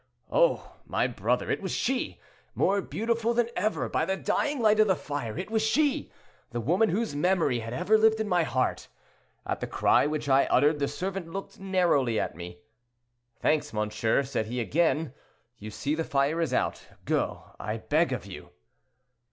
Oh! my brother, it was she! more beautiful than ever, by the dying light of the fire. It was she!—the woman whose memory had ever lived in my heart. At the cry which I uttered the servant looked narrowly at me. 'Thanks, monsieur,' said he, again; 'you see the fire is out; go, I beg of you.'